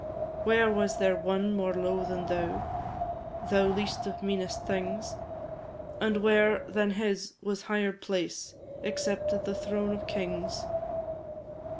Where was there one more low than thou Thou least of meanest things? And where than his was higher place Except the throne of kings?